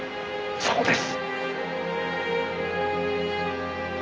そうです。